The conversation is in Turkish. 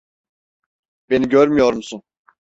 Beni görmüyor musun?